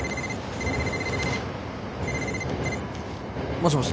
もしもし。